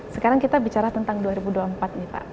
sekarang kita bicara tentang dua ribu dua puluh empat nih pak